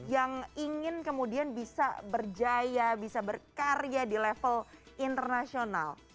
yang ingin kemudian bisa berjaya bisa berkarya di level internasional